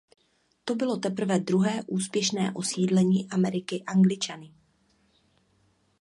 To bylo teprve druhé úspěšné osídlení Ameriky Angličany.